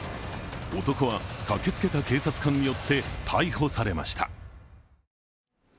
男は駆けつけた警察官によって逮捕されました。